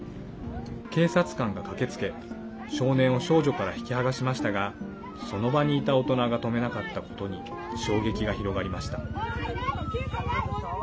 警察官が駆けつけ少年を少女から引きはがしましたがその場にいた大人が止めなかったことに衝撃が広がりました。